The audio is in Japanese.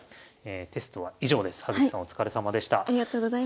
テストは以上です。